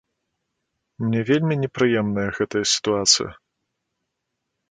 Мне вельмі непрыемная гэтая сітуацыя.